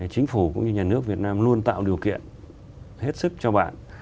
chính phủ cũng như nhà nước việt nam luôn tạo điều kiện hết sức cho bạn